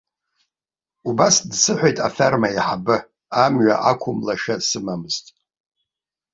Убас дсыҳәеит аферма аиҳабы, амҩа ақәымлашьа сымамызт.